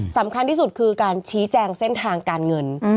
สำคัญที่สุดคือการชี้แจงเส้นทางการเงิน